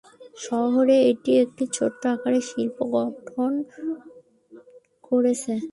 শহরে এটি একটি ছোট আকারের শিল্প গঠন করেছে।